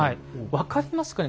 分かりますかね